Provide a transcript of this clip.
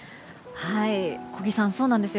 小木さん、そうなんです。